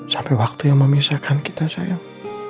sampai waktu yang memisahkan kita sayang